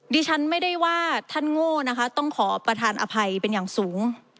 ดิฉันไม่ได้ว่าท่านโง่นะคะต้องขอประธานอภัยเป็นอย่างสูง